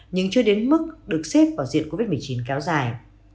nhưng chưa đến mức được xếp vào diện covid một mươi chín kéo dài